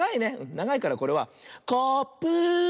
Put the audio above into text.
ながいからこれはコーップー。